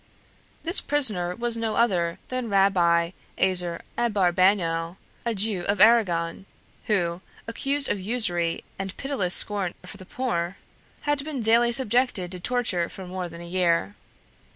This prisoner was no other than Rabbi Aser Abarbanel, a Jew of Arragon, who accused of usury and pitiless scorn for the poor had been daily subjected to torture for more than a year.